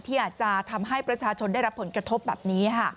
อาจจะทำให้ประชาชนได้รับผลกระทบแบบนี้ค่ะ